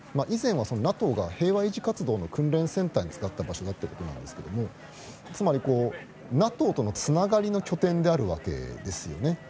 以前はＮＡＴＯが平和維持活動の訓練場所として使った場所だと思うんですけどつまり、ＮＡＴＯのつながりの拠点であるわけですよね。